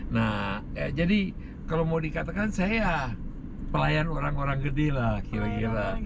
nah jadi kalau mau dikatakan saya ya pelayan orang orang gede lah kira kira